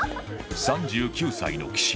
３９歳の岸